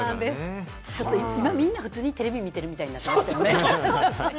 今、みんな普通にテレビ見てるみたいやったね。